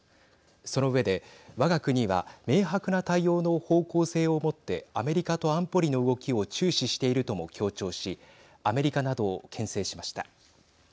その上でわが国は明白な対応の方向性をもってアメリカと安保理の動きを注視しているとも強調しアメリカなどを、けん制しました。